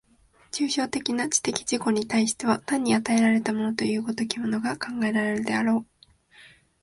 抽象的な知的自己に対しては単に与えられたものという如きものが考えられるであろう。